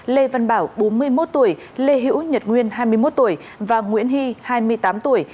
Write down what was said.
lê văn bảo bốn mươi một tuổi lê hữu nhật nguyên hai mươi một tuổi và nguyễn hy hai mươi tám tuổi